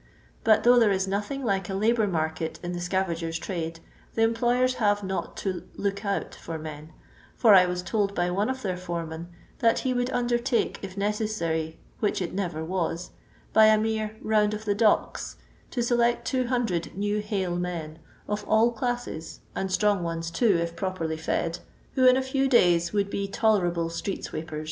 But though there is nothing like a labour market in the scavager's trade, the employers have not to " look out " for men, for I was told by one of their foremen, that he would undertake, if necessary, which it never was, by a mere " round of the docks," to select 200 new hale men, of all datsei, and strong ones, too, if properly fed, who 224 LONDOir LABOUR AND TEB LONDON POOR. in a few dayi would be tolenble street^weepen.